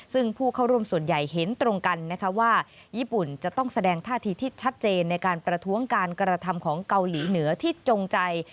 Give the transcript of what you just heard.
ซึ่งผู้เข้าร่วมส่วนใหญ่เห็นตรงกันนะคะว่าญี่ปุ่นจะต้องแสดงท่าทีที่ชัดเจนในการประท้วงการกระทำของเกาหลีเหนือที่จงใจ